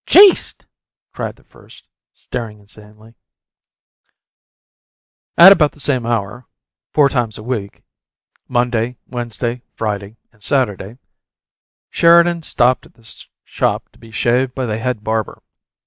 "Jeest!" cried the first, staring insanely. At about the same hour, four times a week Monday, Wednesday, Friday, and Saturday Sheridan stopped at this shop to be shaved by the head barber.